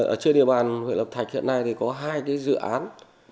ở trên địa bàn huyện lập thạch hiện nay thì có hai cái dự án